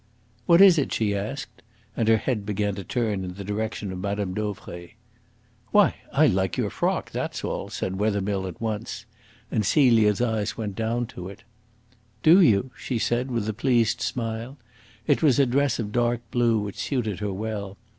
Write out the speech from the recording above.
"What is it?" she asked, and her head began to turn in the direction of Mme. Dauvray. "Why, I like your frock that's all," said Wethermill at once; and Celia's eyes went down to it. "Do you?" she said, with a pleased smile. It was a dress of dark blue which suited her well.